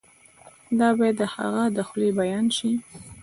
دا باید د هغه له خولې بیان شي.